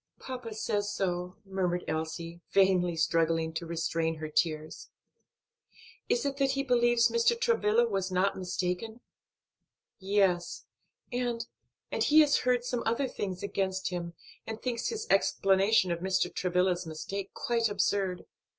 "Papa says so," murmured Elsie, vainly struggling to restrain her tears. "Is it that he believes Mr. Travilla was not mistaken?" "Yes, and and he has heard some other things against him, and thinks his explanation of Mr. Travilla's mistake quite absurd.